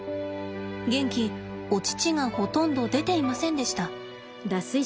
ゲンキお乳がほとんど出ていませんでした。